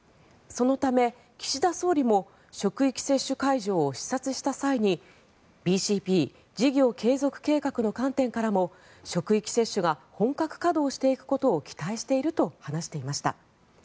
そのため岸田総理も職域接種会場を視察した際にＢＣＰ・事業継続計画の観点からも職域接種が本格稼働していくことを期待していると話していました。